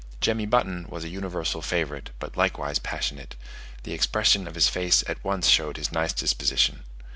Jemmy Button was a universal favourite, but likewise passionate; the expression of his face at once showed his nice disposition.